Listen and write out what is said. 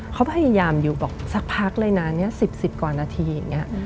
เขาพยายามอยู่บอกสักพักเลยนะสิบก่อนนาทีอย่างนี้